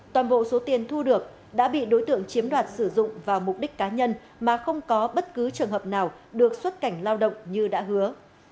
toàn bộ số tiền thu được đã bị đối tượng chiếm đoạt sử dụng vào mục đích cá nhân mà không có bất cứ trường hợp nào được xuất cảnh lao động như đã hứa